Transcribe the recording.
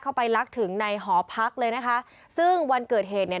เข้าไปลักถึงในหอพักเลยนะคะซึ่งวันเกิดเหตุเนี่ย